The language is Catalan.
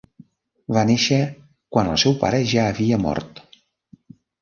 Va néixer quan el seu pare ja havia mort.